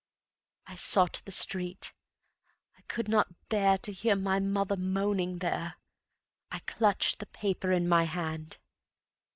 I sought the street, I could not bear To hear my mother moaning there. I clutched the paper in my hand.